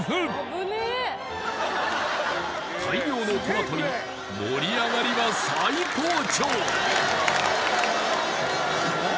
大量のトマトに盛り上がりは最高潮！